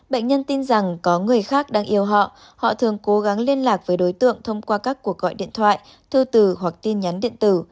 bệnh nhân tin rằng có người khác đang yêu họ họ thường cố gắng liên lạc với đối tượng thông qua các cuộc gọi điện thoại thư từ hoặc tin nhắn điện tử